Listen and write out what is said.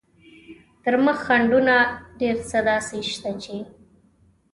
تر مخ خنډونه ډېر څه داسې شته چې.